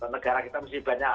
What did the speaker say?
negara kita masih banyak